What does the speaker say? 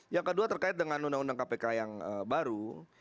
yang kedua terkait dengan undang undang kpk yang baru